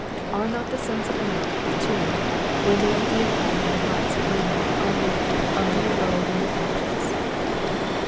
are not the sons of men, too, when they are deified in the hearts of women, only " a little lower than the angels?